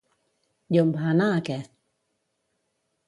I on va anar aquest?